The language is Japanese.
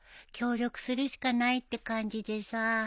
協力するしかないって感じでさ。